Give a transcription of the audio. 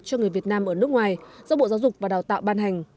cho người việt nam ở nước ngoài do bộ giáo dục và đào tạo ban hành